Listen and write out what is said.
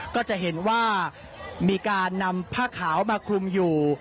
ก็จะเห็นว่ามีการนำผ้าขาวมาคลุมอยู่